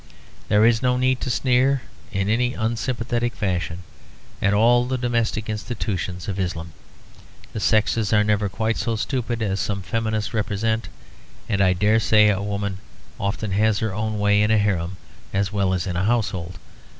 There is no need to sneer in any unsympathetic fashion at all the domestic institutions of Islam; the sexes are never quite so stupid as some feminists represent; and I dare say a woman often has her own way in a harem as well as in a household.